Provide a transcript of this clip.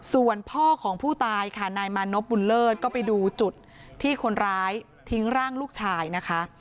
ส่วนพ่อของผู้ตายค่ะนายมานพบุญเลิศก็ไปดูจุดที่คนร้ายทิ้งร่างลูกชายนะคะ